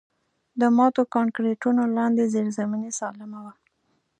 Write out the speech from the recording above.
د ماتو کانکریټونو لاندې زیرزمیني سالمه وه